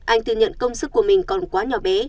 anh thừa nhận công sức của mình còn quá nhỏ bé